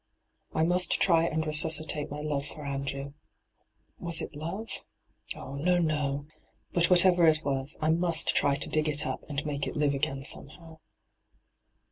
I must try and resuscitate my love for Andrew ! Was it love ? Oh, no, no ; but whatever it was, I must try to dig it up and make it live again somehow.